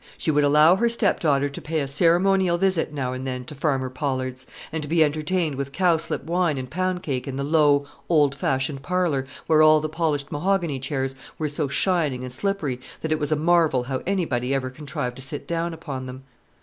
She would allow her stepdaughter to pay a ceremonial visit now and then to Farmer Pollard's, and to be entertained with cowslip wine and pound cake in the low, old fashioned parlour, where all the polished mahogany chairs were so shining and slippery that it was a marvel how anybody ever contrived to sit down upon them.